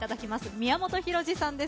宮本浩次さんです。